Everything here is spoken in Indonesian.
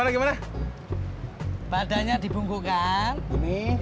gimana padahal dibuanghere